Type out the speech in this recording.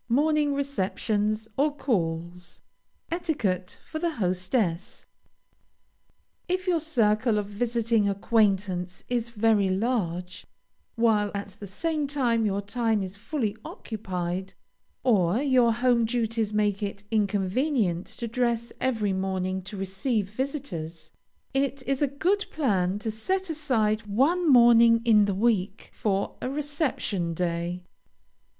MORNING RECEPTIONS OR CALLS. ETIQUETTE FOR THE HOSTESS. If your circle of visiting acquaintance is very large, while at the same time your time is fully occupied, or your home duties make it inconvenient to dress every morning to receive visitors, it is a good plan to set aside one morning in the week for a reception day.